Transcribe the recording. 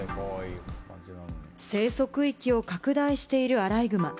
生息域を拡大しているアライグマ。